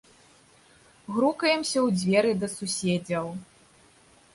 Грукаемся ў дзверы да суседзяў.